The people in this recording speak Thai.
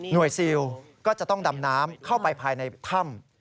ซิลก็จะต้องดำน้ำเข้าไปภายในถ้ำ